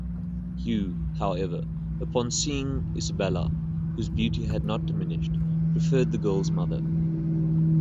Hugh, however, upon seeing Isabella, whose beauty had not diminished, preferred the girl's mother.